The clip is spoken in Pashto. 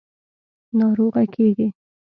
– ناروغه کېږې.